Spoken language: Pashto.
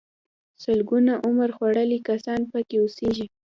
سلګونه عمر خوړلي کسان پکې اوسيږي.